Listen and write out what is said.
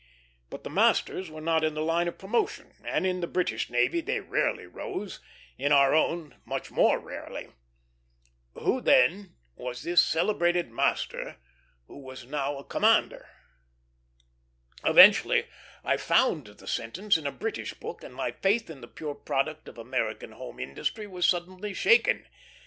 But the masters were not in the line of promotion; in the British navy they rarely rose, in our own much more rarely. Who, then, was this celebrated master, now a commander? Eventually I found the sentence in a British book, and my faith in the pure product of American home industry was suddenly shaken.